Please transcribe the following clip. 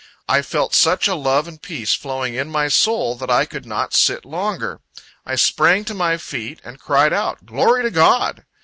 I felt such a love and peace flowing in my soul, that I could not sit longer; I sprang to my feet, and cried out, "Glory to God!"